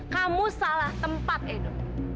kamu salah tempat edo